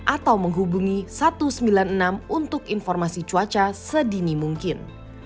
atau menghubungi satu ratus sembilan puluh enam untuk informasi cuaca sedini mungkin